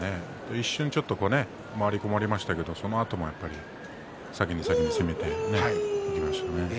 一瞬、回り込まれましたけどそのあとも、やっぱり先に先に攻めていきましたね。